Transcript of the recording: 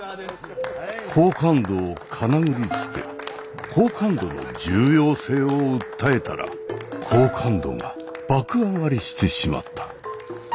好感度をかなぐり捨て好感度の重要性を訴えたら好感度が爆上がりしてしまった。